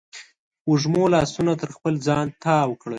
وږمو لاسونه تر خپل ځان راتاو کړل